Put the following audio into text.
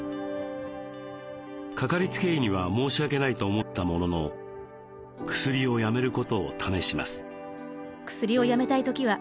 かかりつけ医には申し訳ないと思ったものの薬をやめることを試します。